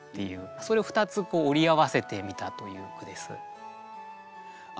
それを２つこうおり合わせてみたという句です。